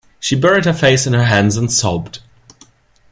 She buried her face in her hands and sobbed.